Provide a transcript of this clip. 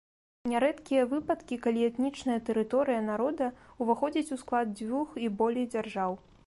Нярэдкія выпадкі, калі этнічная тэрыторыя народа ўваходзіць у склад дзвюх і болей дзяржаў.